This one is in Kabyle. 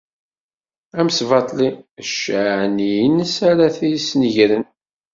Amesbaṭli, d ccee-nni-ines ara t-isnegren.